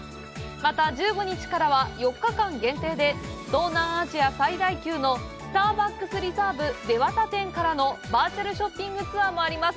また、１５日からは４日間限定で東南アジア最大級のスターバックスリザーブデワタ店からのバーチャルショッピングツアーもあります。